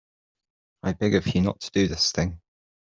I beg of you not to do this thing.